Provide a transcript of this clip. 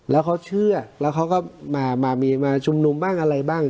แล้วเขาเชื่อแล้วเขาก็มามีมาชุมนุมบ้างอะไรบ้าง